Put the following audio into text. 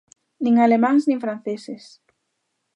Nin alemáns nin franceses.